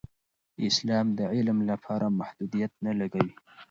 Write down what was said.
اسلام د علم لپاره محدودیت نه لګوي.